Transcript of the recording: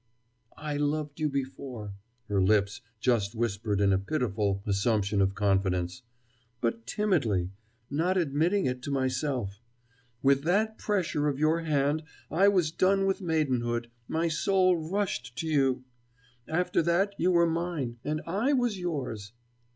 "I loved you before," her lips just whispered in a pitiful assumption of confidence, "but timidly, not admitting it to myself. With that pressure of your hand, I was done with maidenhood, my soul rushed to you. After that, you were mine, and I was yours."